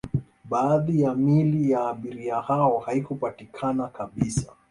baadhi ya miili ya abiria hao haikupatikana kabisa